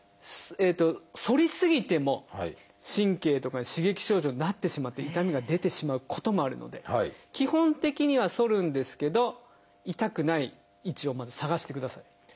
反り過ぎても神経とかに刺激症状になってしまって痛みが出てしまうこともあるので基本的には反るんですけど痛くない位置をまず探してください。